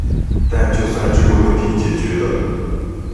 但就算這個問題解決了